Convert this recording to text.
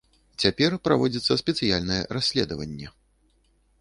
Цяпер праводзіцца спецыяльнае расследаванне.